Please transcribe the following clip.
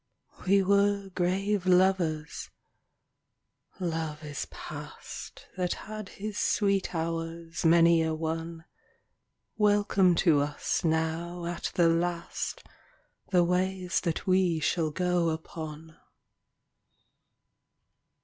We were grave lovers. Love is past That had his sweet hours many a one ; Welcome to us now at the last The ways that we shall go upon.